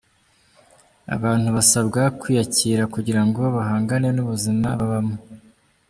Abantu basabwa kwiyakira kugira ngo bahangane n’ubuzima babamo